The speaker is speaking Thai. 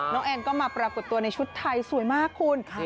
แอนก็มาปรากฏตัวในชุดไทยสวยมากคุณ